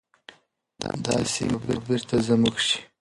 دا سیمي به بیرته زموږ شي.